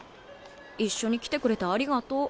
一緒に来てくれてありがとう。